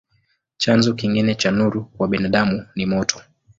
Chanzo kingine cha nuru kwa binadamu ni moto.